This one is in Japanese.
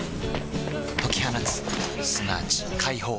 解き放つすなわち解放